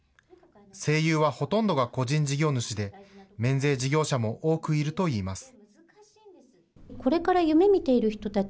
声優はほとんどが個人事業主で免税事業者も多くいるといいます。